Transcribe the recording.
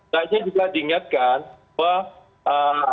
tadinya juga diingatkan bahwa